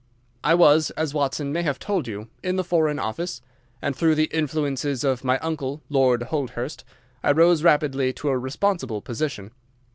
"I was, as Watson may have told you, in the Foreign Office, and through the influences of my uncle, Lord Holdhurst, I rose rapidly to a responsible position.